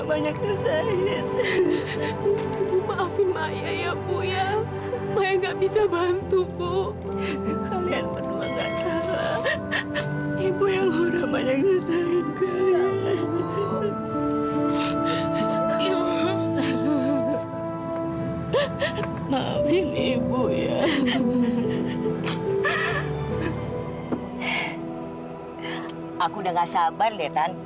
aku udah gak sabar deh tan